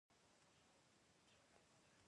بېنډۍ د وریژو سره ښه خوري